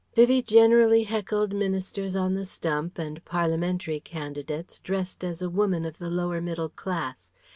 Vivie generally heckled ministers on the stump and parliamentary candidates dressed as a woman of the lower middle class.